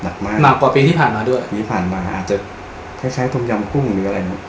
หนักมากหนักกว่าปีที่ผ่านมาด้วยปีที่ผ่านมาอาจจะคล้ายคล้ายต้มยำกุ้งหรืออะไร